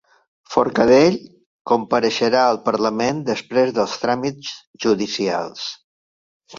Forcadell compareixerà al parlament després dels tràmits judicials.